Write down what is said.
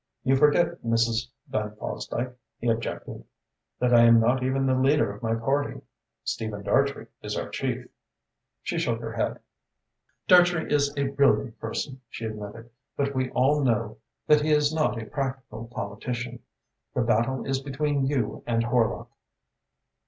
"You forget, Mrs. Van Fosdyke," he objected, "that I am not even the leader of my party. Stephen Dartrey is our chief." She shook her head. "Dartrey is a brilliant person," she admitted, "but we all know that he is not a practical politician. The battle is between you and Horlock."